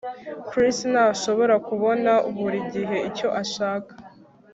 Chris ntashobora kubona buri gihe icyo ashaka